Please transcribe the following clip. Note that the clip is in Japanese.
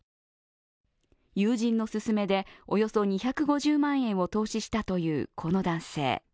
友人の勧めでおよそ２５０万円を投資したという、この男性。